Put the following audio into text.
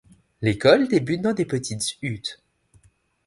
L'école débute dans des petites huttes.